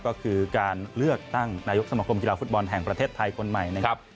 ก็คือการเลือกตั้งนายกสมคมกีฬาฟุตบอลแห่งประเทศไทยคนใหม่นะครับ